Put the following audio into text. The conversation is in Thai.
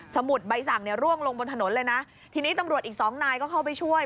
มุดใบสั่งเนี่ยร่วงลงบนถนนเลยนะทีนี้ตำรวจอีกสองนายก็เข้าไปช่วย